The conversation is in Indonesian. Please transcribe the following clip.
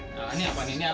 nah ini apaan ini apaan